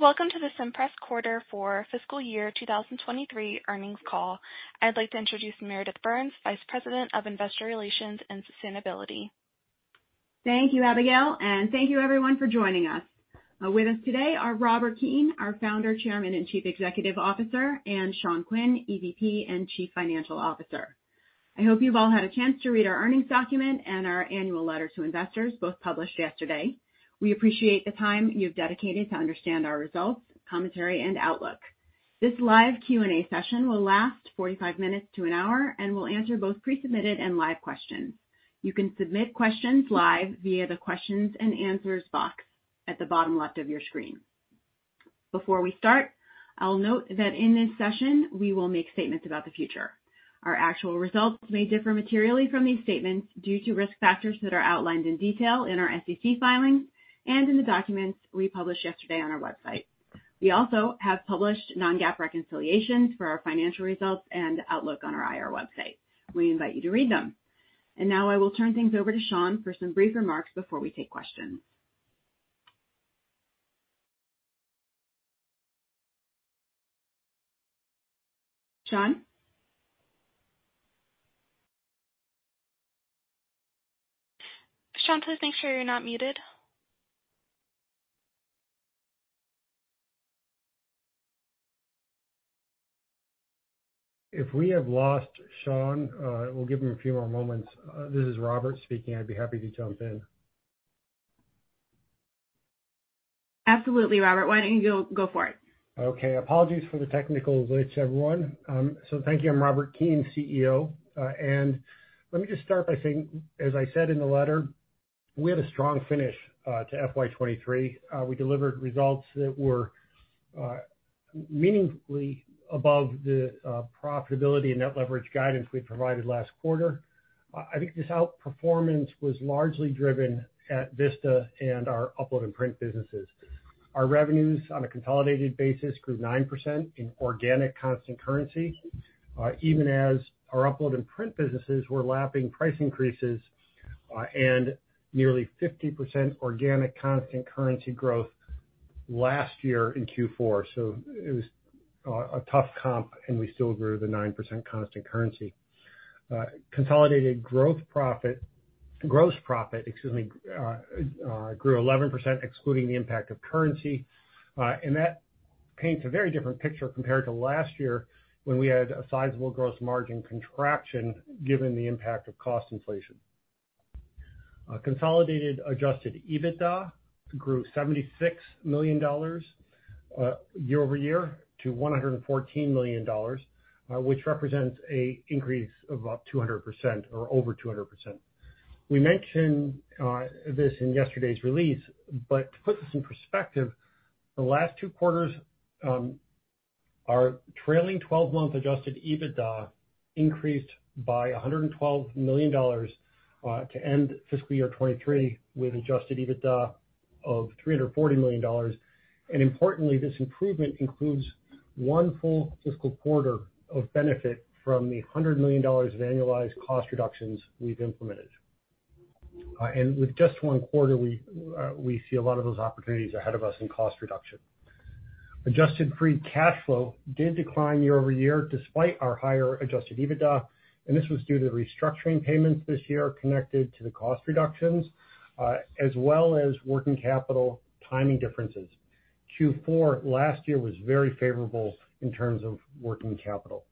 Welcome to the Cimpress Quarter for Fiscal Year 2023 earnings call. I'd like to introduce Meredith Burns, Vice President of Investor Relations and Sustainability. Thank you, Abigail. Thank you everyone for joining us. With us today are Robert Keane, our Founder, Chairman, and Chief Executive Officer, and Sean Quinn, EVP and Chief Financial Officer. I hope you've all had a chance to read our earnings document and our annual letter to investors, both published yesterday. We appreciate the time you've dedicated to understand our results, commentary, and outlook. This live Q&A session will last 45 minutes to one hour and will answer both pre-submitted and live questions. You can submit questions live via the questions and answers box at the bottom left of your screen. Before we start, I'll note that in this session, we will make statements about the future. Our actual results may differ materially from these statements due to risk factors that are outlined in detail in our SEC filings and in the documents we published yesterday on our website. We also have published non-GAAP reconciliations for our financial results and outlook on our IR website. We invite you to read them. Now I will turn things over to Sean for some brief remarks before we take questions. Sean? Sean, please make sure you're not muted. If we have lost Sean, we'll give him a few more moments. This is Robert speaking. I'd be happy to jump in. Absolutely, Robert. Why don't you go for it? Okay. Apologies for the technical glitch, everyone. Thank you. I'm Robert Keane, CEO, and let me just start by saying, as I said in the letter, we had a strong finish to FY 2023. We delivered results that were meaningfully above the profitability and net leverage guidance we provided last quarter. I think this outperformance was largely driven at Vista and our Upload & Print businesses. Our revenues on a consolidated basis grew 9% in organic constant currency, even as our Upload & Print businesses were lapping price increases, and nearly 50% organic constant currency growth last year in Q4. It was a tough comp, and we still grew the 9% constant currency. Consolidated gross profit, excuse me, grew 11%, excluding the impact of currency. That paints a very different picture compared to last year, when we had a sizable gross margin contraction given the impact of cost inflation. Consolidated adjusted EBITDA grew $76 million year-over-year to $114 million, which represents a increase of about 200% or over 200%. We mentioned this in yesterday's release, to put this in perspective, the last two quarters, our trailing-twelve-month adjusted EBITDA increased by $112 million to end FY 2023 with adjusted EBITDA of $340 million. Importantly, this improvement includes one full fiscal quarter of benefit from the $100 million of annualized cost reductions we've implemented. With just one quarter, we see a lot of those opportunities ahead of us in cost reduction. Adjusted free cash flow did decline year-over-year, despite our higher adjusted EBITDA. This was due to restructuring payments this year connected to the cost reductions, as well as working capital timing differences. Q4 last year was very favorable in terms of working capital.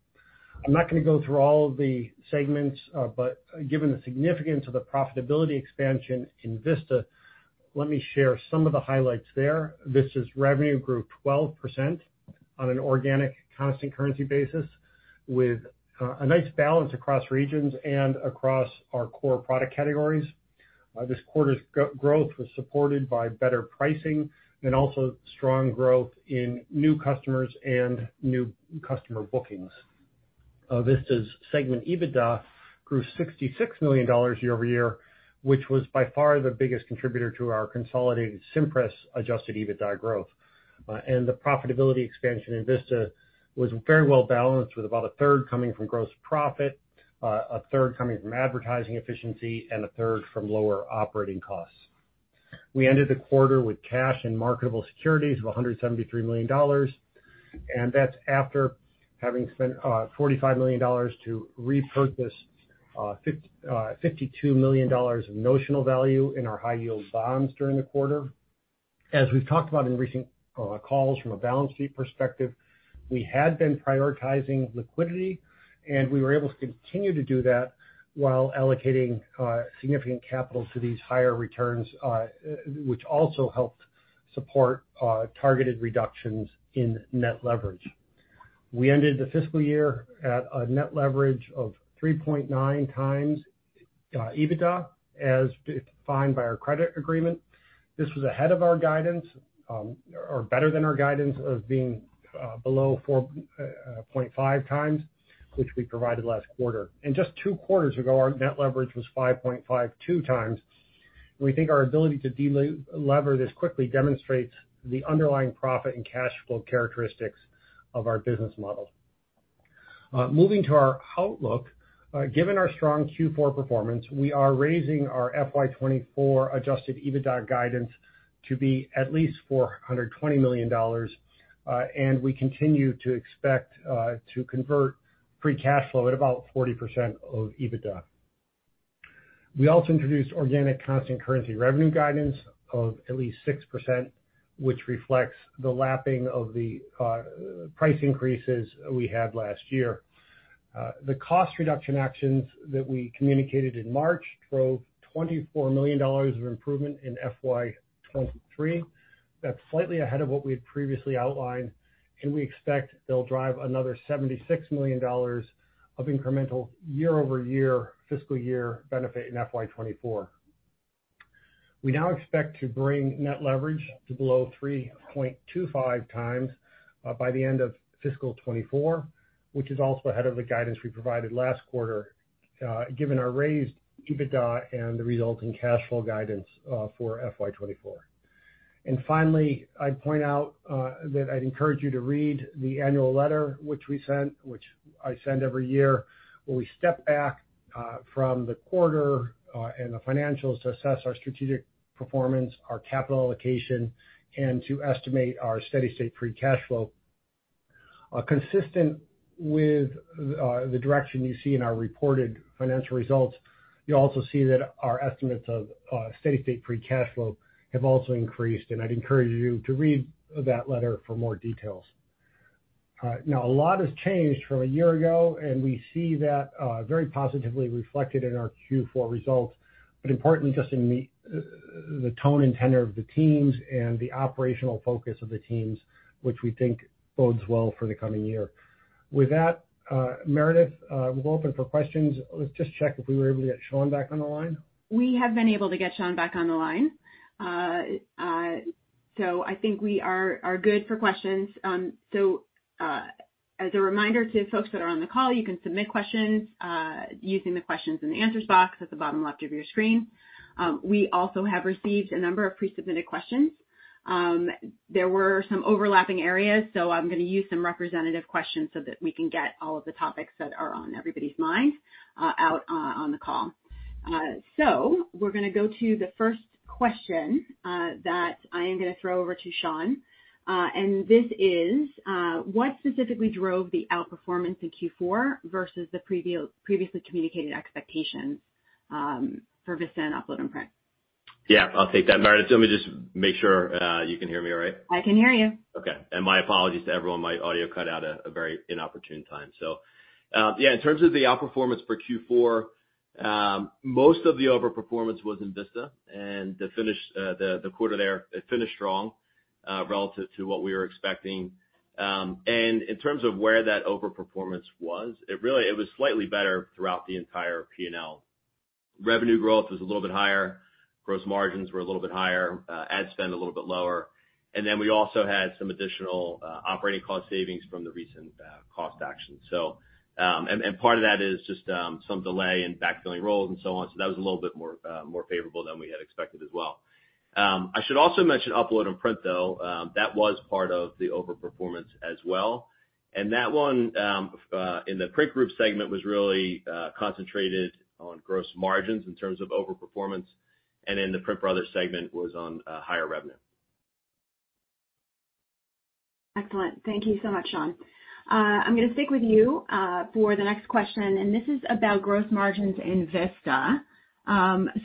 I'm not gonna go through all of the segments. Given the significance of the profitability expansion in Vista, let me share some of the highlights there. Vista's revenue grew 12% on an organic constant currency basis, with a nice balance across regions and across our core product categories. This quarter's growth was supported by better pricing and also strong growth in new customers and new customer bookings. Vista's segment EBITDA grew $66 million year-over-year, which was by far the biggest contributor to our consolidated Cimpress adjusted EBITDA growth. The profitability expansion in Vista was very well balanced, with about a third coming from gross profit, a third coming from advertising efficiency, and a third from lower operating costs. We ended the quarter with cash and marketable securities of $173 million, that's after having spent $45 million to repurchase $52 million of notional value in our high-yield bonds during the quarter. As we've talked about in recent calls from a balance sheet perspective, we had been prioritizing liquidity, we were able to continue to do that while allocating significant capital to these higher returns, which also helped support targeted reductions in net leverage. We ended the fiscal year at a net leverage of 3.9x EBITDA, as defined by our credit agreement. This was ahead of our guidance, or better than our guidance of being below 4.5 times, which we provided last quarter. Just two quarters ago, our net leverage was 5.52 times. We think our ability to delever this quickly demonstrates the underlying profit and cash flow characteristics of our business model. Moving to our outlook, given our strong Q4 performance, we are raising our FY 2024 adjusted EBITDA guidance to be at least $420 million, and we continue to expect to convert free cash flow at about 40% of EBITDA. We also introduced organic constant currency revenue guidance of at least 6%, which reflects the lapping of the price increases we had last year. The cost reduction actions that we communicated in March drove $24 million of improvement in FY 2023. That's slightly ahead of what we had previously outlined, and we expect they'll drive another $76 million of incremental year-over-year fiscal year benefit in FY 2024. We now expect to bring net leverage to below 3.25 times by the end of fiscal 2024, which is also ahead of the guidance we provided last quarter, given our raised EBITDA and the resulting cash flow guidance for FY 2024. Finally, I'd point out that I'd encourage you to read the annual letter, which we sent, which I send every year, where we step back from the quarter and the financials to assess our strategic performance, our capital allocation, and to estimate our steady state free cash flow. Consistent with the direction you see in our reported financial results, you'll also see that our estimates of steady state free cash flow have also increased. I'd encourage you to read that letter for more details. Now, a lot has changed from a year ago. We see that very positively reflected in our Q4 results, importantly, just in the tone and tenor of the teams and the operational focus of the teams, which we think bodes well for the coming year. With that, Meredith, we're open for questions. Let's just check if we were able to get Sean back on the line. We have been able to get Sean back on the line. I think we are good for questions. As a reminder to folks that are on the call, you can submit questions using the questions and the answers box at the bottom left of your screen. We also have received a number of pre-submitted questions. There were some overlapping areas, so I'm gonna use some representative questions so that we can get all of the topics that are on everybody's minds out on the call. We're gonna go to the first question that I am gonna throw over to Sean, and this is: What specifically drove the outperformance in Q4 versus the previously communicated expectations for Vista and Upload & Print? Yeah, I'll take that, Meredith. Let me just make sure you can hear me all right. I can hear you. Okay. My apologies to everyone. My audio cut out at a very inopportune time. Yeah, in terms of the outperformance for Q4, most of the overperformance was in Vista, and the quarter there, it finished strong relative to what we were expecting. In terms of where that overperformance was, it really, it was slightly better throughout the entire P&L. Revenue growth was a little bit higher, gross margins were a little bit higher, ad spend a little bit lower, we also had some additional operating cost savings from the recent cost action. Part of that is just some delay in backfilling roles and so on. That was a little bit more favorable than we had expected as well. I should also mention Upload & Print, though. That was part of the overperformance as well. That one, in The Print Group segment was really concentrated on gross margins in terms of overperformance, and in the PrintBrothers segment was on higher revenue. Excellent. Thank you so much, Sean. I'm gonna stick with you for the next question, this is about gross margins in Vista.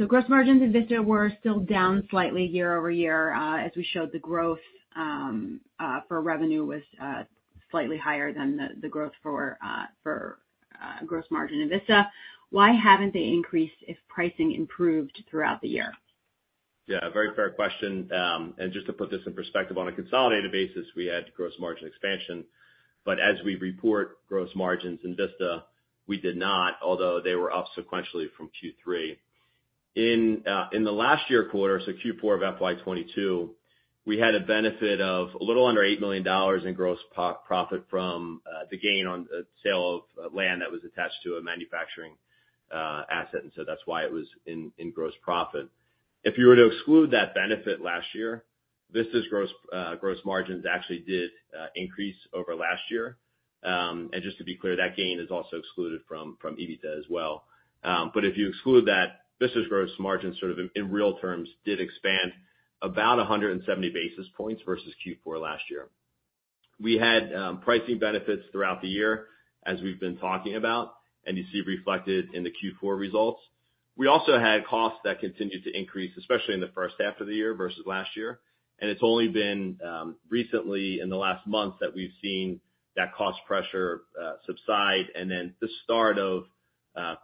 Gross margins in Vista were still down slightly year-over-year. As we showed, the growth for revenue was slightly higher than the growth for gross margin in Vista. Why haven't they increased if pricing improved throughout the year? Yeah, a very fair question. Just to put this in perspective, on a consolidated basis, we had gross margin expansion, but as we report gross margins in Vista, we did not, although they were up sequentially from Q3. In the last year quarter, so Q4 of FY 2022, we had a benefit of a little under $8 million in gross profit from the gain on the sale of land that was attached to a manufacturing asset, that's why it was in gross profit. If you were to exclude that benefit last year, Vista's gross gross margins actually did increase over last year. Just to be clear, that gain is also excluded from EBITDA as well. If you exclude that, Vista's gross margin, sort of in real terms, did expand about 170 basis points versus Q4 last year. We had pricing benefits throughout the year, as we've been talking about, and you see reflected in the Q4 results. We also had costs that continued to increase, especially in the first half of the year versus last year, and it's only been recently, in the last month, that we've seen that cost pressure subside and then the start of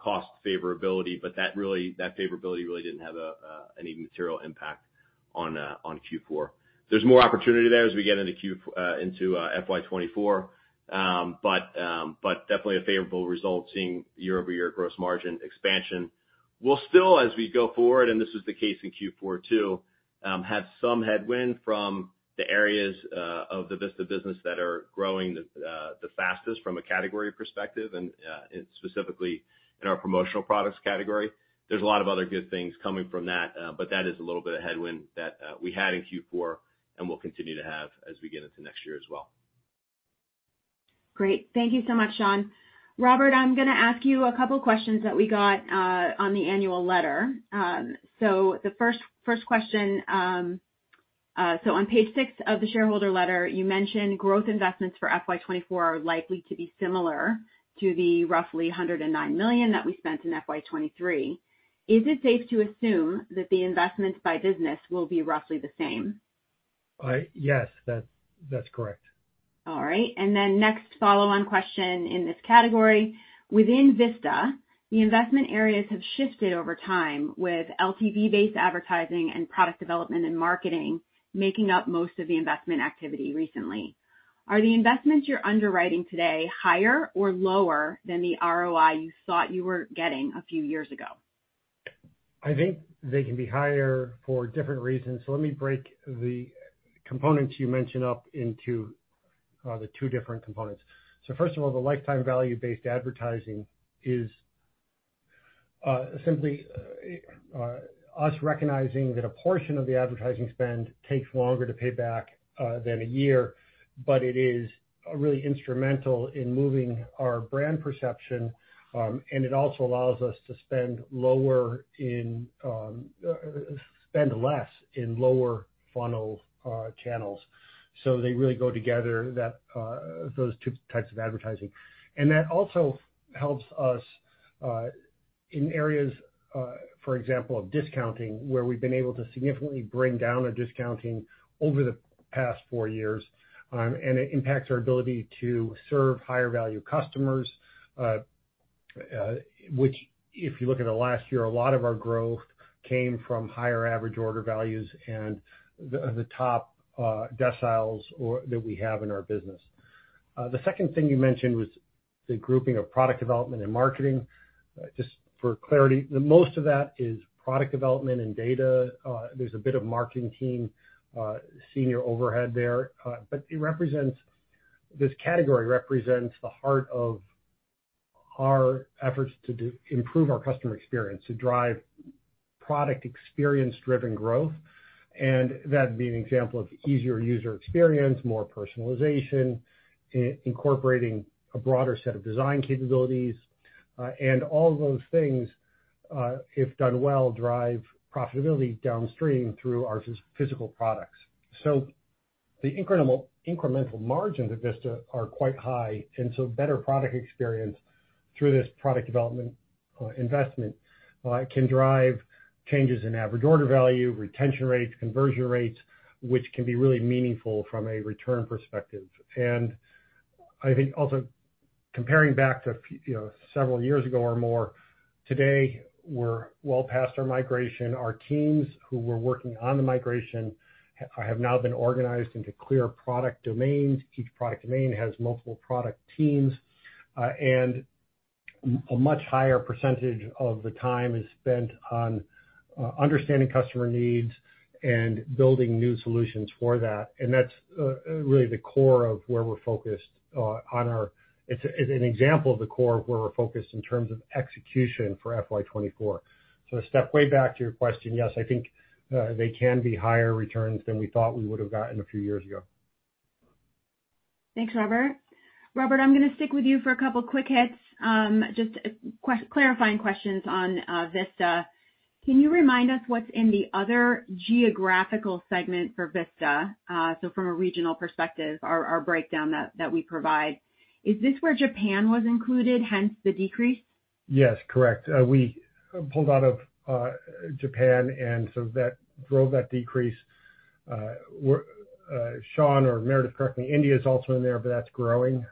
cost favorability, but that favorability really didn't have any material impact on Q4. There's more opportunity there as we get into FY 2024, but definitely a favorable result seeing year-over-year gross margin expansion. We'll still, as we go forward, and this is the case in Q4, too, have some headwind from the areas of the Vista business that are growing the fastest from a category perspective, and specifically in our promotional products category. There's a lot of other good things coming from that, but that is a little bit of headwind that we had in Q4 and will continue to have as we get into next year as well. Great. Thank you so much, Sean. Robert, I'm gonna ask you a couple questions that we got on the annual letter. The first question, on page six of the shareholder letter, you mentioned growth investments for FY 2024 are likely to be similar to the roughly $109 million that we spent in FY 2023. Is it safe to assume that the investments by business will be roughly the same? Yes, that's correct. All right. Next follow-on question in this category: within Vista, the investment areas have shifted over time, with LTV-based advertising and product development and marketing making up most of the investment activity recently. Are the investments you're underwriting today higher or lower than the ROI you thought you were getting a few years ago? I think they can be higher for different reasons. Let me break the components you mentioned up into the two different components. First of all, the lifetime value-based advertising is simply us recognizing that a portion of the advertising spend takes longer to pay back than a year, but it is really instrumental in moving our brand perception, and it also allows us to spend less in lower funnel channels. They really go together, that those two types of advertising. That also helps us in areas, for example, of discounting, where we've been able to significantly bring down a discounting over the past four years. It impacts our ability to serve higher value customers, which, if you look at the last year, a lot of our growth came from higher average order values and the top deciles that we have in our business. The second thing you mentioned was the grouping of product development and marketing. Just for clarity, the most of that is product development and data. There's a bit of marketing team, senior overhead there, but it represents this category represents the heart of our efforts to improve our customer experience, to drive product experience-driven growth. That'd be an example of easier user experience, more personalization, incorporating a broader set of design capabilities, and all those things, if done well, drive profitability downstream through our physical products. The incredible, incremental margins at Vista are quite high, and so better product experience through this product development investment can drive changes in average order value, retention rates, conversion rates, which can be really meaningful from a return perspective. I think also comparing back to a few, you know, several years ago or more, today, we're well past our migration. Our teams who were working on the migration have now been organized into clear product domains. Each product domain has multiple product teams, and a much higher percentage of the time is spent on understanding customer needs and building new solutions for that. That's really the core of where we're focused on our... It's an example of the core of where we're focused in terms of execution for FY 2024. To step way back to your question, yes, I think, they can be higher returns than we thought we would have gotten a few years ago. Thanks, Robert. Robert, I'm gonna stick with you for a couple quick hits, just clarifying questions on Vista. Can you remind us what's in the other geographical segment for Vista? From a regional perspective, our breakdown that we provide, is this where Japan was included, hence the decrease? Yes, correct. We pulled out of Japan, that drove that decrease. Sean or Meredith, correct me, India is also in there, that's growing.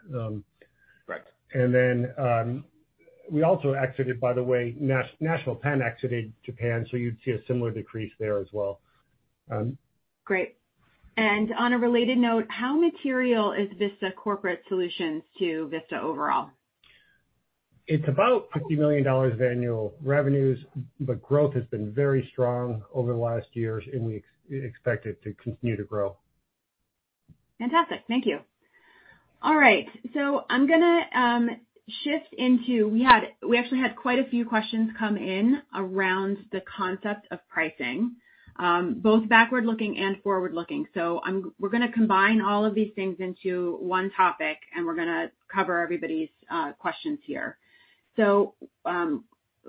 Correct. We also exited, by the way, National Pen exited Japan. You'd see a similar decrease there as well. Great. On a related note, how material is Vista Corporate Solutions to Vista overall? It's about $50 million of annual revenues. Growth has been very strong over the last years, and we expect it to continue to grow. Fantastic. Thank you. All right, I'm gonna shift into. We actually had quite a few questions come in around the concept of pricing, both backward-looking and forward-looking. We're gonna combine all of these things into one topic, and we're gonna cover everybody's questions here.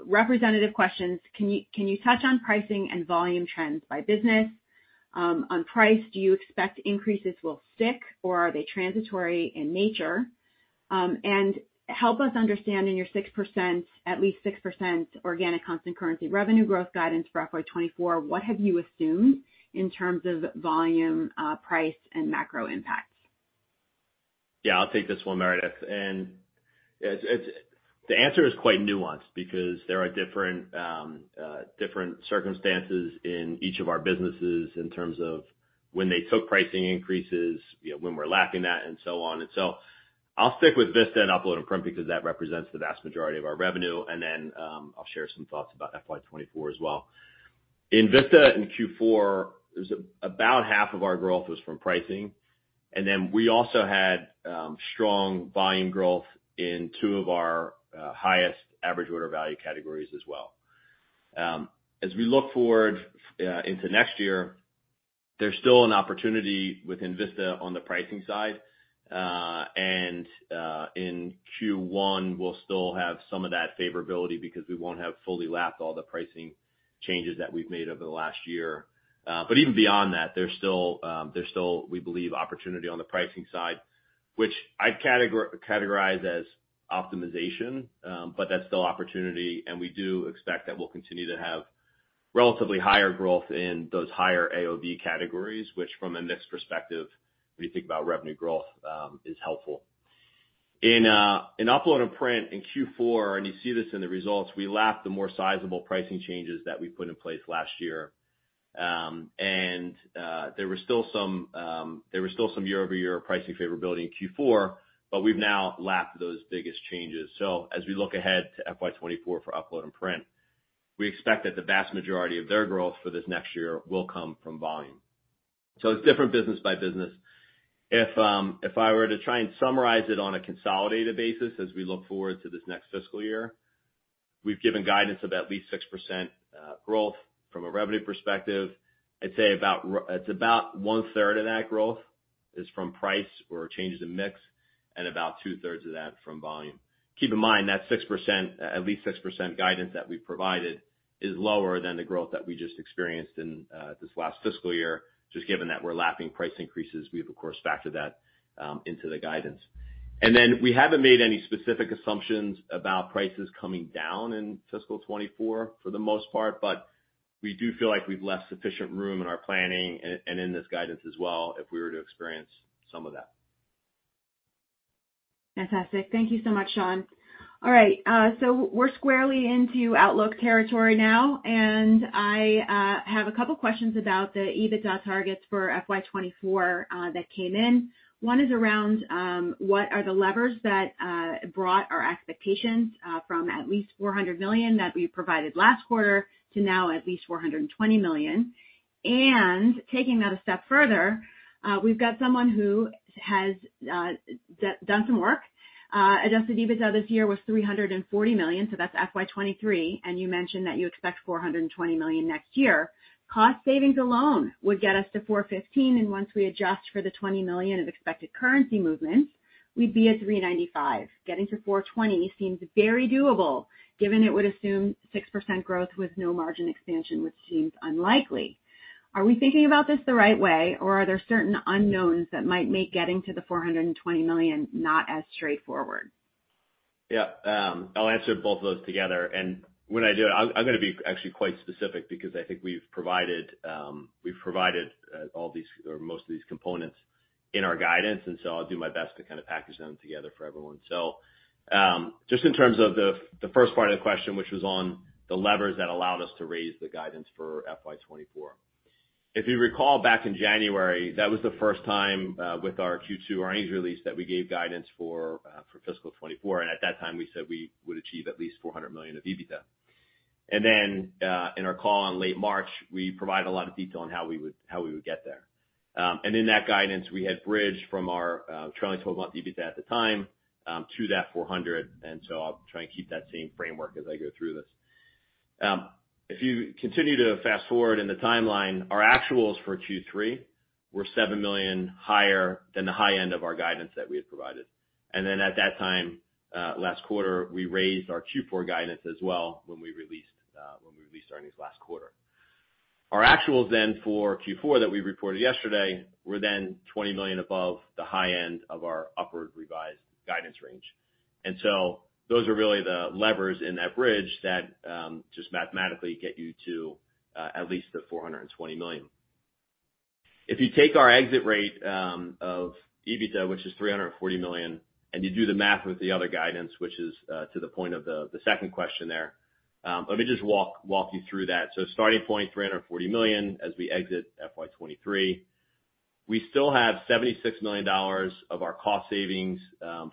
Representative questions: Can you touch on pricing and volume trends by business? On price, do you expect increases will stick, or are they transitory in nature? Help us understand in your 6%, at least 6% organic constant currency revenue growth guidance for FY 2024, what have you assumed in terms of volume, price, and macro impacts? Yeah, I'll take this one, Meredith. The answer is quite nuanced because there are different circumstances in each of our businesses in terms of when they took pricing increases, you know, when we're lapping that, and so on. I'll stick with Vista and Upload & Print, because that represents the vast majority of our revenue, and then I'll share some thoughts about FY 2024 as well. In Vista, in Q4, about half of our growth was from pricing, and then we also had strong volume growth in two of our highest AOV categories as well. As we look forward into next year, there's still an opportunity within Vista on the pricing side. In Q1, we'll still have some of that favorability because we won't have fully lapped all the pricing changes that we've made over the last year. Even beyond that, there's still, we believe, opportunity on the pricing side, which I'd categorize as optimization. That's still opportunity, and we do expect that we'll continue to have relatively higher growth in those higher AOV categories, which from a mix perspective, when you think about revenue growth, is helpful. In Upload & Print in Q4, you see this in the results, we lapped the more sizable pricing changes that we put in place last year. There were still some year-over-year pricing favorability in Q4, we've now lapped those biggest changes. As we look ahead to FY 2024 for Upload & Print, we expect that the vast majority of their growth for this next year will come from volume. It's different business by business. If I were to try and summarize it on a consolidated basis as we look forward to this next fiscal year, we've given guidance of at least 6% growth from a revenue perspective. I'd say it's about one third of that growth is from price or changes in mix, and about two thirds of that from volume. Keep in mind, that 6%, at least 6% guidance that we provided, is lower than the growth that we just experienced in this last fiscal year, just given that we're lapping price increases, we've of course, factored that into the guidance. We haven't made any specific assumptions about prices coming down in fiscal 2024 for the most part, but we do feel like we've left sufficient room in our planning and in this guidance as well, if we were to experience some of that. Fantastic. Thank you so much, Sean. We're squarely into outlook territory now. I have a couple questions about the EBITDA targets for FY 2024 that came in. One is around what are the levers that brought our expectations from at least $400 million that we provided last quarter, to now at least $420 million? Taking that a step further, we've got someone who has done some work. Adjusted EBITDA this year was $340 million, so that's FY 2023. You mentioned that you expect $420 million next year. Cost savings alone would get us to $415 million. Once we adjust for the $20 million of expected currency movements, we'd be at $395 million. Getting to 420 seems very doable, given it would assume 6% growth with no margin expansion, which seems unlikely. Are we thinking about this the right way, or are there certain unknowns that might make getting to the $420 million not as straightforward? Yeah. I'll answer both of those together. When I do it, I'm gonna be actually quite specific because I think we've provided, we've provided all these or most of these components in our guidance. I'll do my best to kind of package them together for everyone. Just in terms of the first part of the question, which was on the levers that allowed us to raise the guidance for FY 2024. If you recall back in January, that was the first time with our Q2 earnings release, that we gave guidance for fiscal 2024. At that time, we said we would achieve at least $400 million of EBITDA. In our call in late March, we provided a lot of detail on how we would get there. In that guidance, we had bridged from our trailing twelve-month EBITDA at the time to that $400 million. I'll try and keep that same framework as I go through this. If you continue to fast forward in the timeline, our actuals for Q3 were $7 million higher than the high end of our guidance that we had provided. At that time, last quarter, we raised our Q4 guidance as well when we released our earnings last quarter. Our actuals then for Q4 that we reported yesterday, were then $20 million above the high end of our upward revised guidance range. Those are really the levers in that bridge that just mathematically get you to at least the $420 million. If you take our exit rate of EBITDA, which is $340 million, and you do the math with the other guidance, which is to the point of the second question there. Let me just walk you through that. Starting point, $340 million as we exit FY 2023. We still have $76 million of our cost savings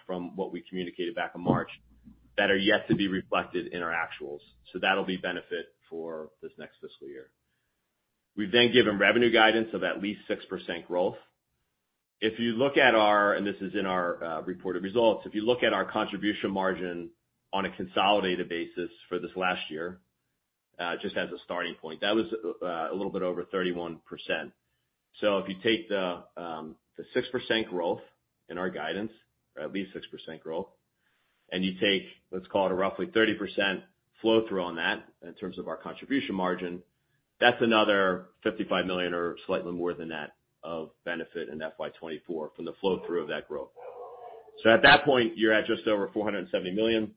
from what we communicated back in March, that are yet to be reflected in our actuals. That'll be benefit for this next fiscal year. We've then given revenue guidance of at least 6% growth. This is in our reported results. If you look at our contribution margin on a consolidated basis for this last year, just as a starting point, that was a little bit over 31%. If you take the 6% growth in our guidance, or at least 6% growth, and you take, let's call it, a roughly 30% flow-through on that in terms of our contribution margin, that's another $55 million or slightly more than that, of benefit in FY 2024 from the flow-through of that growth. At that point, you're at just over $470 million.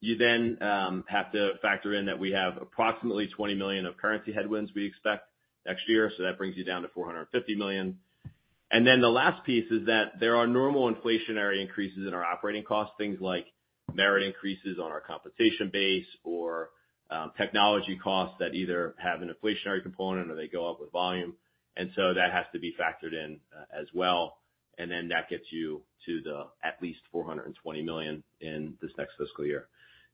You then have to factor in that we have approximately $20 million of currency headwinds we expect next year, that brings you down to $450 million. The last piece is that there are normal inflationary increases in our operating costs, things like merit increases on our compensation base or technology costs that either have an inflationary component or they go up with volume, that has to be factored in as well. That gets you to the at least $420 million in this next fiscal year.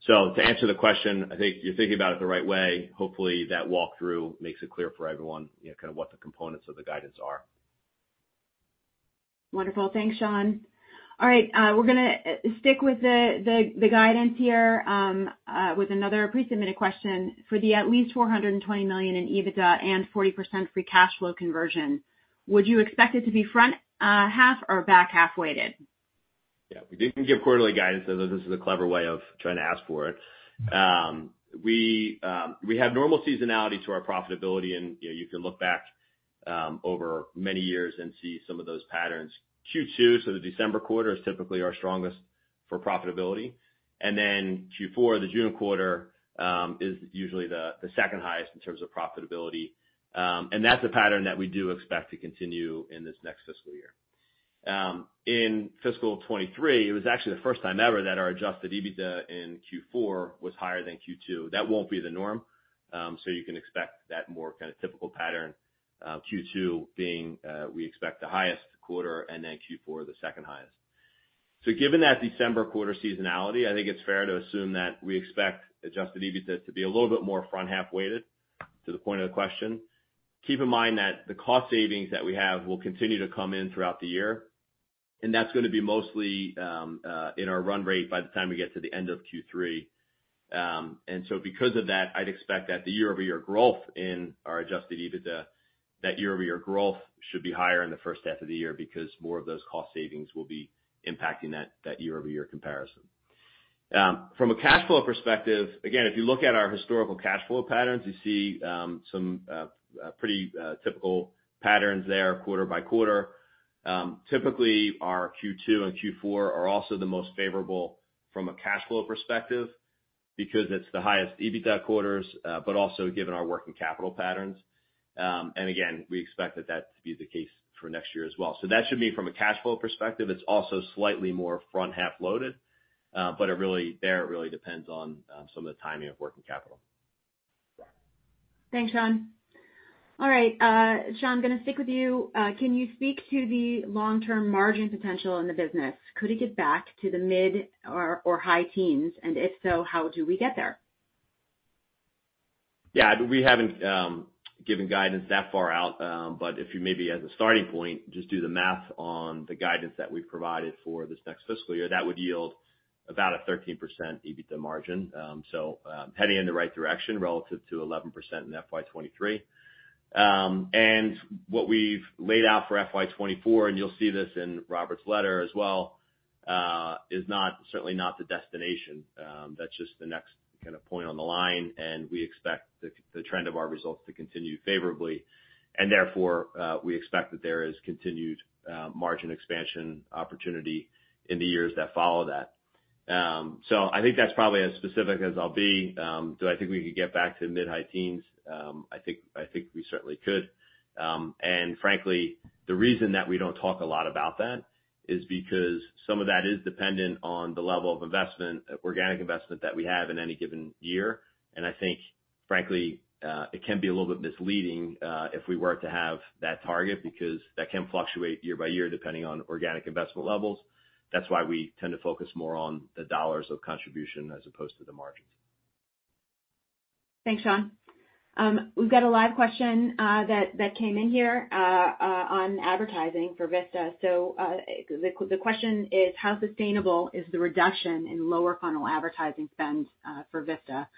To answer the question, I think you're thinking about it the right way. Hopefully, that walkthrough makes it clear for everyone, you know, kind of what the components of the guidance are. Wonderful. Thanks, Sean. All right, we're gonna stick with the guidance here, with another pre-submitted question. For the at least $420 million in EBITDA and 40% free cash flow conversion, would you expect it to be front half or back half weighted? Yeah, we didn't give quarterly guidance, so this is a clever way of trying to ask for it. We have normal seasonality to our profitability, and, you know, you can look back over many years and see some of those patterns. Q2, so the December quarter, is typically our strongest for profitability, and then Q4, the June quarter, is usually the second highest in terms of profitability. That's a pattern that we do expect to continue in this next fiscal year. In fiscal '23, it was actually the first time ever that our adjusted EBITDA in Q4 was higher than Q2. That won't be the norm. You can expect that more kind of typical pattern, Q2 being we expect the highest quarter and then Q4 the second highest. Given that December quarter seasonality, I think it's fair to assume that we expect adjusted EBITDA to be a little bit more front half weighted, to the point of the question. Keep in mind that the cost savings that we have will continue to come in throughout the year, and that's gonna be mostly in our run rate by the time we get to the end of Q3. Because of that, I'd expect that the year-over-year growth in our adjusted EBITDA, that year-over-year growth should be higher in the first half of the year, because more of those cost savings will be impacting that year-over-year comparison. From a cash flow perspective, again, if you look at our historical cash flow patterns, you see some pretty typical patterns there, quarter by quarter. Typically, our Q2 and Q4 are also the most favorable from a cash flow perspective because it's the highest EBITDA quarters, but also given our working capital patterns. Again, we expect that to be the case for next year as well. That should be from a cash flow perspective. It's also slightly more front half loaded, but it really depends on some of the timing of working capital. Thanks, Sean. All right, Sean, I'm gonna stick with you. Can you speak to the long-term margin potential in the business? Could it get back to the mid or high teens? If so, how do we get there? We haven't given guidance that far out, but if you maybe as a starting point, just do the math on the guidance that we've provided for this next fiscal year, that would yield about a 13% EBITDA margin. Heading in the right direction relative to 11% in FY 2023. What we've laid out for FY 2024, and you'll see this in Robert's letter as well, is not, certainly not the destination. That's just the next kind of point on the line, and we expect the trend of our results to continue favorably, and therefore, we expect that there is continued margin expansion opportunity in the years that follow that. I think that's probably as specific as I'll be. Do I think we could get back to mid high teens? I think we certainly could. Frankly, the reason that we don't talk a lot about that is because some of that is dependent on the level of investment, organic investment, that we have in any given year. I think, frankly, it can be a little bit misleading, if we were to have that target, because that can fluctuate year by year, depending on organic investment levels. That's why we tend to focus more on the dollars of contribution as opposed to the margins. Thanks, Sean. We've got a live question that came in here on advertising for Vista. The question is: How sustainable is the reduction in lower funnel advertising spend for Vista?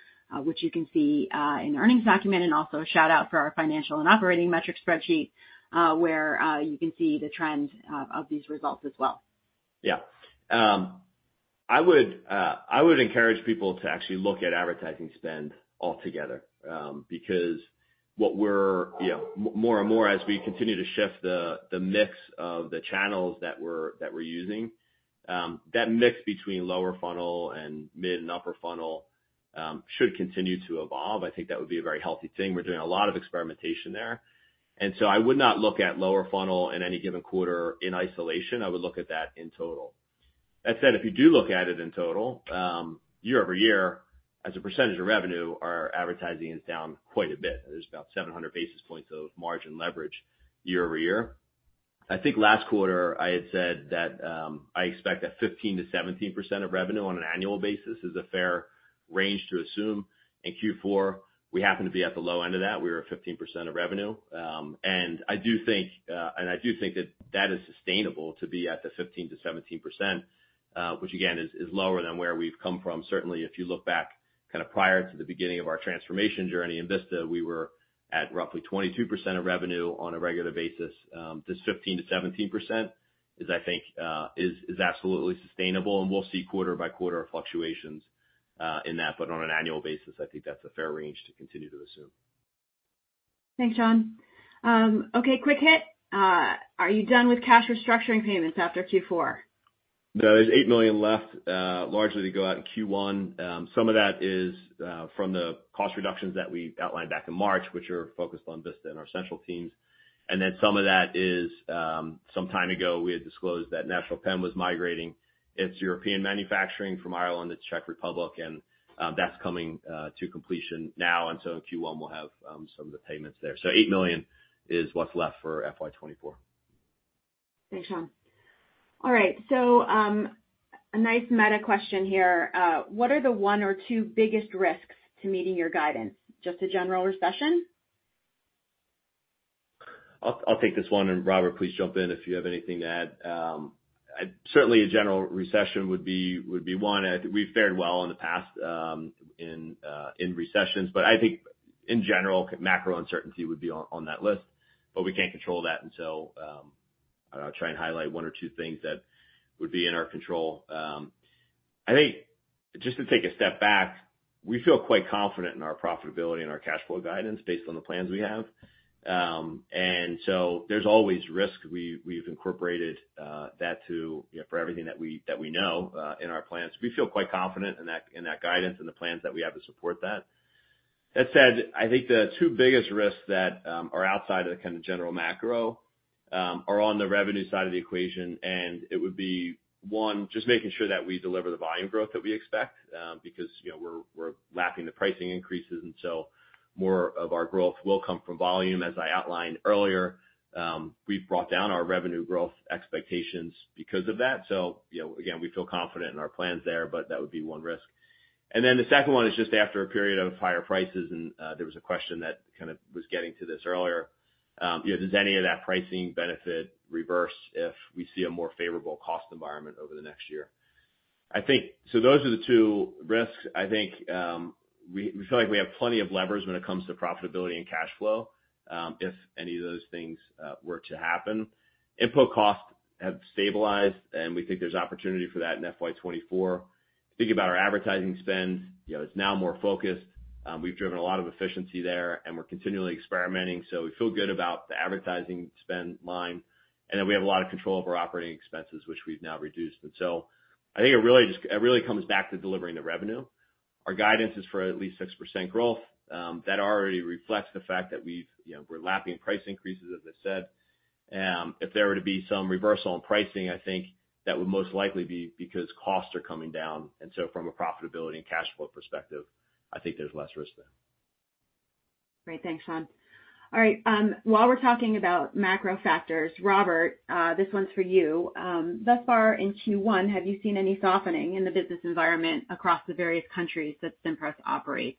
Which you can see in the earnings document, and also a shout-out for our financial and operating metric spreadsheet, where you can see the trends of these results as well. Yeah. I would encourage people to actually look at advertising spend altogether, because You know, more and more, as we continue to shift the mix of the channels that we're using, that mix between lower funnel and mid and upper funnel should continue to evolve. I think that would be a very healthy thing. We're doing a lot of experimentation there. I would not look at lower funnel in any given quarter in isolation. I would look at that in total. That said, if you do look at it in total, year-over-year, as a percentage of revenue, our advertising is down quite a bit. There's about 700 basis points of margin leverage year-over-year. I think last quarter I had said that, I expect that 15%-17% of revenue on an annual basis is a fair range to assume. In Q4, we happen to be at the low end of that. We were at 15% of revenue. I do think, and I do think that that is sustainable to be at the 15%-17%, which again, is lower than where we've come from. Certainly, if you look back kind of prior to the beginning of our transformation journey in Vista, we were at roughly 22% of revenue on a regular basis. This 15%-17% is, I think, is absolutely sustainable, and we'll see quarter by quarter fluctuations in that, but on an annual basis, I think that's a fair range to continue to assume. Thanks, Sean. Okay, quick hit. Are you done with cash restructuring payments after Q4? No, there's $8 million left, largely to go out in Q1. Some of that is from the cost reductions that we outlined back in March, which are focused on Vista and our central teams. Some of that is, some time ago, we had disclosed that National Pen was migrating its European manufacturing from Ireland to Czech Republic, and that's coming to completion now. Q1 will have some of the payments there. $8 million is what's left for FY 2024. Thanks, Sean. All right, a nice meta question here. What are the one or two biggest risks to meeting your guidance? Just a general recession? I'll take this one, and Robert, please jump in if you have anything to add. Certainly, a general recession would be one. We've fared well in the past in recessions, but I think in general, macro uncertainty would be on that list. We can't control that, so I'll try and highlight one or two things that would be in our control. I think just to take a step back, we feel quite confident in our profitability and our cash flow guidance based on the plans we have. So there's always risk. We've incorporated that to, you know, for everything that we know in our plans. We feel quite confident in that guidance and the plans that we have to support that. That said, I think the two biggest risks that are outside of the kind of general macro are on the revenue side of the equation. It would be, one, just making sure that we deliver the volume growth that we expect, because, you know, we're lapping the pricing increases. More of our growth will come from volume. As I outlined earlier, we've brought down our revenue growth expectations because of that. You know, again, we feel confident in our plans there, but that would be one risk. Then the second one is just after a period of higher prices. There was a question that kind of was getting to this earlier. You know, does any of that pricing benefit reverse if we see a more favorable cost environment over the next year? I think... Those are the two risks. I think, we feel like we have plenty of levers when it comes to profitability and cash flow, if any of those things were to happen. Input costs have stabilized. We think there's opportunity for that in FY 2024. Think about our advertising spend. You know, it's now more focused. We've driven a lot of efficiency there, and we're continually experimenting, so we feel good about the advertising spend line. We have a lot of control over operating expenses, which we've now reduced. I think it really comes back to delivering the revenue. Our guidance is for at least 6% growth. That already reflects the fact that we've, you know, we're lapping price increases, as I said. If there were to be some reversal in pricing, I think that would most likely be because costs are coming down, and so from a profitability and cash flow perspective, I think there's less risk there. Great. Thanks, Sean. All right, while we're talking about macro factors, Robert, this one's for you. Thus far in Q1, have you seen any softening in the business environment across the various countries that Cimpress operates?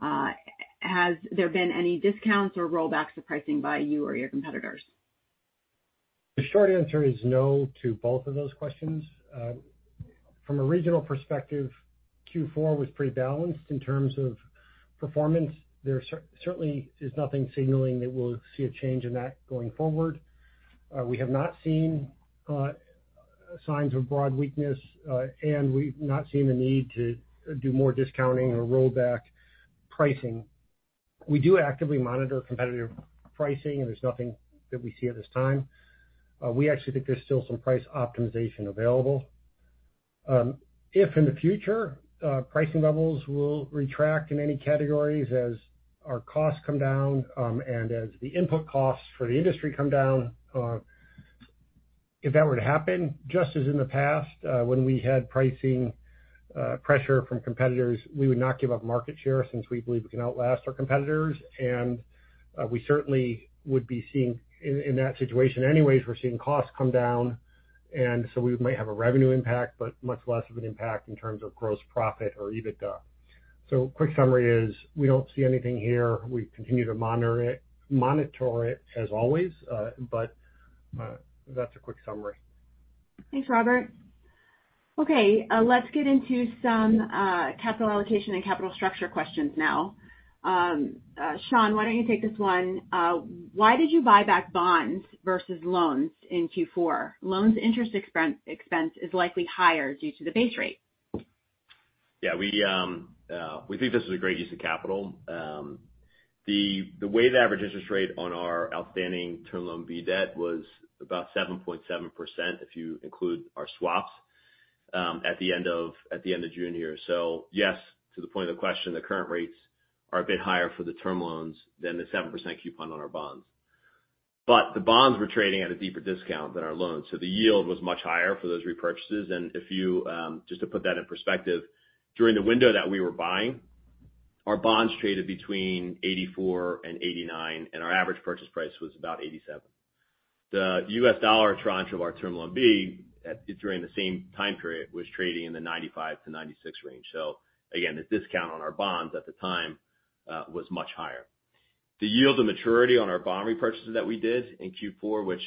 Has there been any discounts or rollbacks of pricing by you or your competitors? The short answer is no to both of those questions. From a regional perspective, Q4 was pretty balanced in terms of performance. There certainly is nothing signaling that we'll see a change in that going forward. We have not seen signs of broad weakness, and we've not seen the need to do more discounting or roll back pricing. We do actively monitor competitive pricing. There's nothing that we see at this time. We actually think there's still some price optimization available. If in the future, pricing levels will retract in any categories as our costs come down, and as the input costs for the industry come down, if that were to happen, just as in the past, when we had pricing pressure from competitors, we would not give up market share since we believe we can outlast our competitors. We certainly would be seeing. In that situation anyways, we're seeing costs come down, and so we might have a revenue impact, but much less of an impact in terms of gross profit or EBITDA. Quick summary is, we don't see anything here. We continue to monitor it, as always, but that's a quick summary. Thanks, Robert. Okay, let's get into some capital allocation and capital structure questions now. Sean, why don't you take this one? Why did you buy back bonds versus loans in Q4? Loans interest expense is likely higher due to the base rate. Yeah, we think this is a great use of capital. The weighted average interest rate on our outstanding term loan B debt was about 7.7%, if you include our swaps, at the end of June here. Yes, to the point of the question, the current rates are a bit higher for the term loans than the 7% coupon on our bonds. The bonds were trading at a deeper discount than our loans, so the yield was much higher for those repurchases. If you, just to put that in perspective, during the window that we were buying, our bonds traded between 84 and 89, and our average purchase price was about 87. The US dollar tranche of our term loan B, during the same time period, was trading in the 95-96 range. Again, the discount on our bonds at the time was much higher. The yield to maturity on our bond repurchases that we did in Q4, which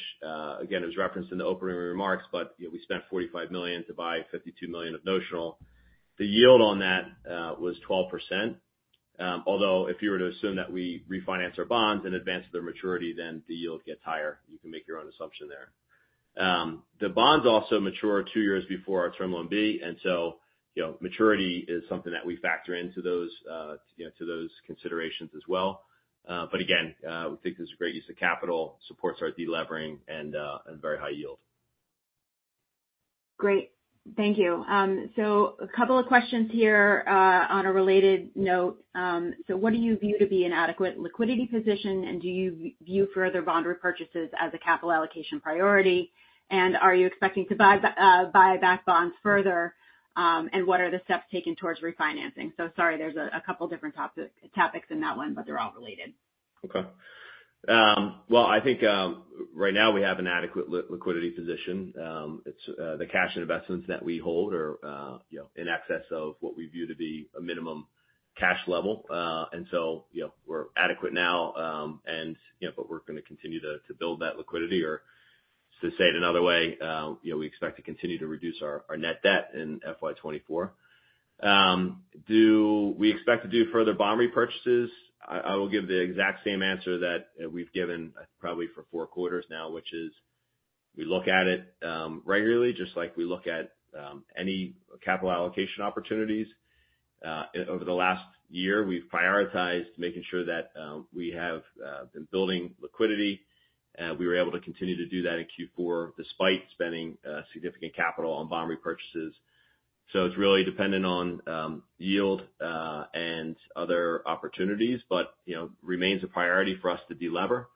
again, is referenced in the opening remarks, you know, we spent $45 million to buy $52 million of notional. The yield on that was 12%. Although, if you were to assume that we refinance our bonds in advance of their maturity, then the yield gets higher. You can make your own assumption there. The bonds also mature two years before our term loan B, you know, maturity is something that we factor into those, you know, to those considerations as well. Again, we think this is a great use of capital, supports our delevering and very high-yield. Great. Thank you. A couple of questions here, on a related note. What do you view to be an adequate liquidity position, and do you view further bond repurchases as a capital allocation priority? Are you expecting to buy back bonds further, and what are the steps taken towards refinancing? Sorry, there's a couple different topics in that one, but they're all related. Okay. Well, I think, right now we have an adequate liquidity position. It's, the cash and investments that we hold are, you know, in excess of what we view to be a minimum cash level. You know, we're adequate now, and, you know, but we're gonna continue to build that liquidity, or to say it another way, you know, we expect to continue to reduce our net debt in FY 2024. Do we expect to do further bond repurchases? I will give the exact same answer that we've given probably for four quarters now, which is, we look at it regularly, just like we look at any capital allocation opportunities. Over the last year, we've prioritized making sure that we have been building liquidity, and we were able to continue to do that in Q4, despite spending significant capital on bond repurchases. It's really dependent on yield and other opportunities, but, you know, remains a priority for us to delever.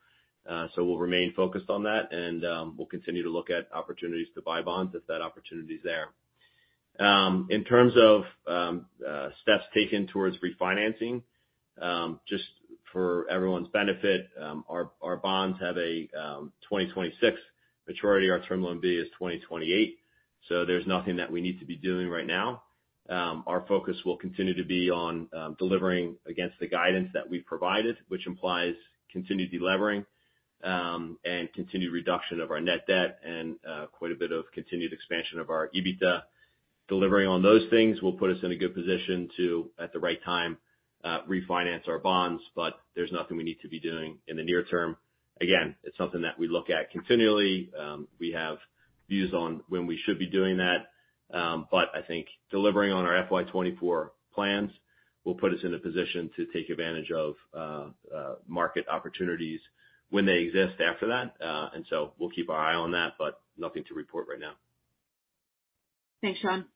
We'll remain focused on that, and we'll continue to look at opportunities to buy bonds if that opportunity is there. In terms of steps taken towards refinancing, just for everyone's benefit, our bonds have a 2026 maturity. Our term loan B is 2028, so there's nothing that we need to be doing right now. Our focus will continue to be on delivering against the guidance that we've provided, which implies continued delevering and continued reduction of our net debt and quite a bit of continued expansion of our EBITDA. Delivering on those things will put us in a good position to, at the right time, refinance our bonds, but there's nothing we need to be doing in the near term. Again, it's something that we look at continually. We have views on when we should be doing that, but I think delivering on our FY 2024 plans will put us in a position to take advantage of market opportunities when they exist after that. We'll keep our eye on that, but nothing to report right now. Thanks, Sean.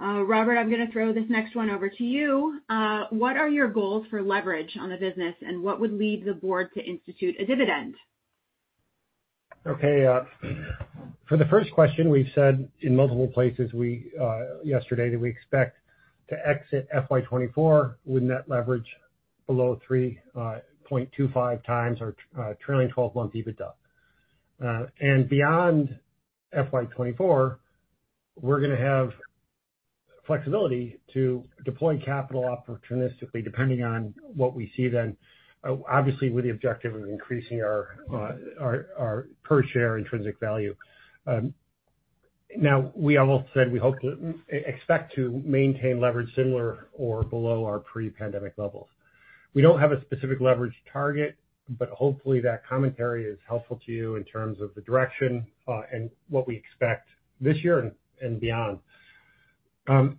Robert, I'm gonna throw this next one over to you. What are your goals for leverage on the business, and what would lead the board to institute a dividend? Okay, for the first question, we've said in multiple places we, yesterday, that we expect to exit FY 2024 with net leverage below 3.25x our trailing twelve-month EBITDA. Beyond FY 2024, we're gonna have flexibility to deploy capital opportunistically, depending on what we see then, obviously with the objective of increasing our, our per share intrinsic value. Now, we also said we expect to maintain leverage similar or below our pre-pandemic levels. We don't have a specific leverage target. Hopefully that commentary is helpful to you in terms of the direction, and what we expect this year and beyond.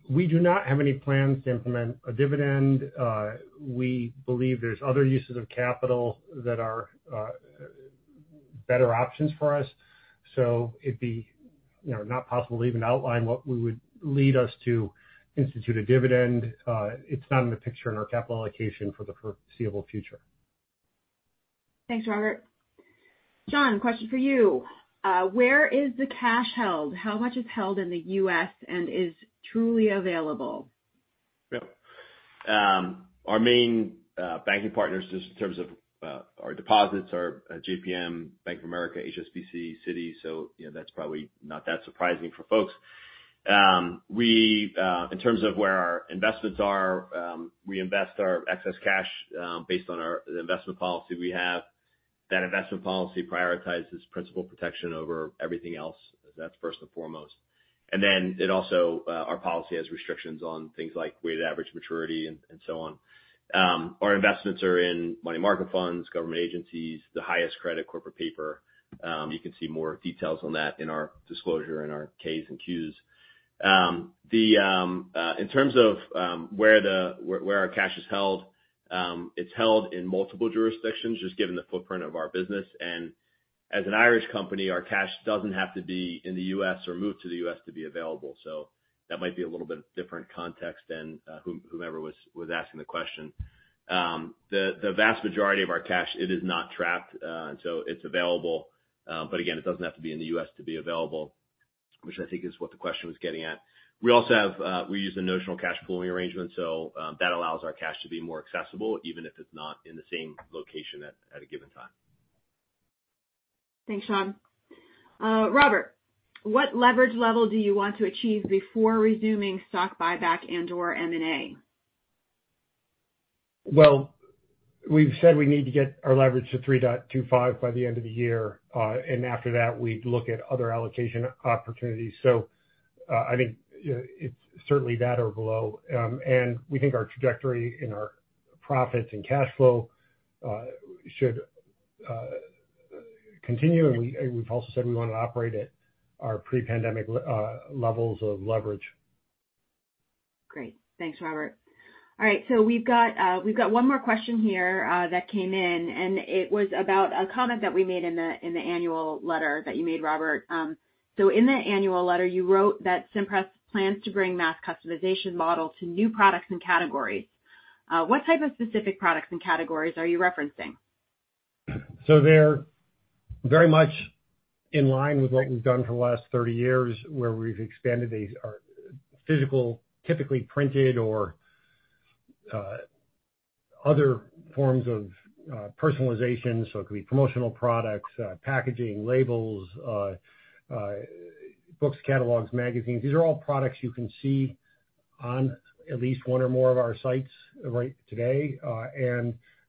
We do not have any plans to implement a dividend. We believe there's other uses of capital that are better options for us. It'd be, you know, not possible to even outline what we would lead us to institute a dividend. It's not in the picture in our capital allocation for the foreseeable future. Thanks, Robert. Sean, question for you. Where is the cash held? How much is held in the U.S. and is truly available? Yep. Our main banking partners, just in terms of our deposits, are JPM, Bank of America, HSBC, Citi, you know, that's probably not that surprising for folks. We, in terms of where our investments are, we invest our excess cash, based on the investment policy we have. That investment policy prioritizes principal protection over everything else. That's first and foremost. Then it also, our policy has restrictions on things like weighted average maturity and so on. Our investments are in money market funds, government agencies, the highest credit corporate paper. You can see more details on that in our disclosure, in our K's and Q's. The, in terms of where our cash is held, it's held in multiple jurisdictions, just given the footprint of our business. As an Irish company, our cash doesn't have to be in the U.S. or moved to the U.S. to be available. That might be a little bit different context than whomever was asking the question. The vast majority of our cash, it is not trapped, and so it's available, but again, it doesn't have to be in the U.S. to be available, which I think is what the question was getting at. We also have, we use a notional cash pooling arrangement, so that allows our cash to be more accessible, even if it's not in the same location at a given time. Thanks, Sean. Robert, what leverage level do you want to achieve before resuming stock buyback and/or M&A? We've said we need to get our leverage to 3.25 by the end of the year, and after that, we'd look at other allocation opportunities. I think, you know, it's certainly that or below. We think our trajectory and our profits and cash flow should continue, and we've also said we want to operate at our pre-pandemic levels of leverage. Great. Thanks, Robert. All right, we've got one more question here, that came in. It was about a comment that we made in the annual letter, that you made, Robert. In the annual letter, you wrote that Cimpress plans to bring mass customization model to new products and categories. What type of specific products and categories are you referencing? Very much in line with what we've done for the last 30 years, where we've expanded these, our physical, typically printed or other forms of personalization. It could be promotional products, packaging, labels, books, catalogs, magazines. These are all products you can see on at least one or more of our sites right today.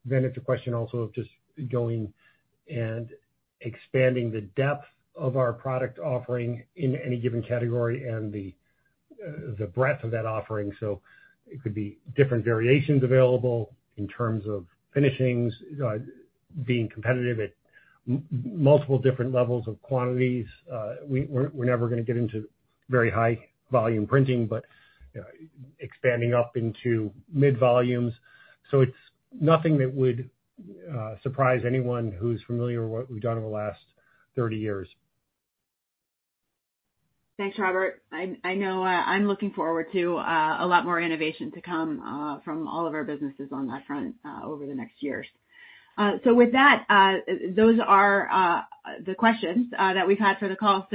Then it's a question also of just going and expanding the depth of our product offering in any given category and the breadth of that offering. It could be different variations available in terms of finishings, being competitive at multiple different levels of quantities. We're never gonna get into very high volume printing, but, you know, expanding up into mid volumes. It's nothing that would surprise anyone who's familiar with what we've done over the last 30 years. Thanks, Robert. I know I'm looking forward to a lot more innovation to come from all of our businesses on that front over the next years. With that, those are the questions that we've had for the call.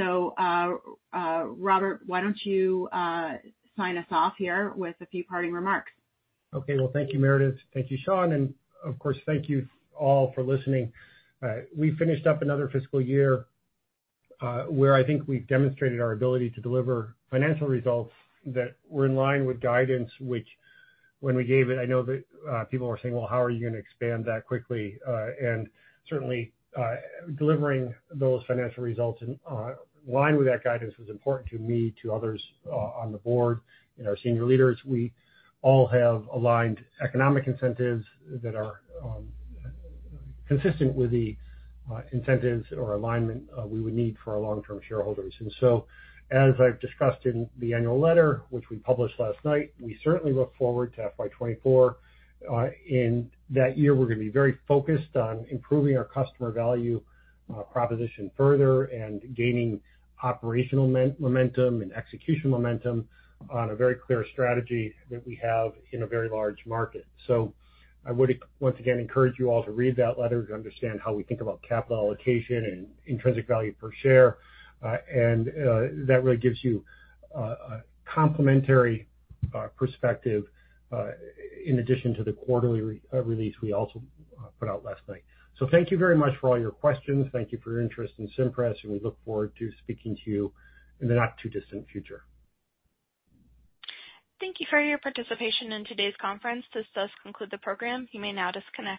Robert, why don't you sign us off here with a few parting remarks? Okay. Well, thank you, Meredith. Thank you, Sean. Of course, thank you all for listening. We finished up another fiscal year where I think we've demonstrated our ability to deliver financial results that were in line with guidance, which, when we gave it, I know that people were saying, "Well, how are you gonna expand that quickly?" Certainly, delivering those financial results in line with that guidance was important to me, to others on the board and our senior leaders. We all have aligned economic incentives that are consistent with the incentives or alignment we would need for our long-term shareholders. As I've discussed in the annual letter, which we published last night, we certainly look forward to FY 2024. In that year, we're gonna be very focused on improving our customer value proposition further and gaining operational momentum and execution momentum on a very clear strategy that we have in a very large market. I would once again encourage you all to read that letter, to understand how we think about capital allocation and intrinsic value per share. That really gives you a complimentary perspective in addition to the quarterly release we also put out last night. Thank you very much for all your questions. Thank you for your interest in Cimpress, and we look forward to speaking to you in the not-too-distant future. Thank you for your participation in today's conference. This does conclude the program. You may now disconnect.